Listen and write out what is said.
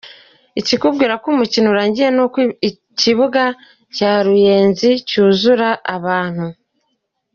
Ikikubwira ko umukino urangiye nuko ikibuga cya Ruyenzi cyuzura abantu.